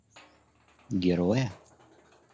героя